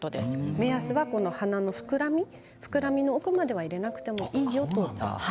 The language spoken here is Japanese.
目安は鼻の膨らみ膨らみの奥までは入れなくてもいいよということです。